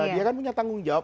dia kan punya tanggung jawab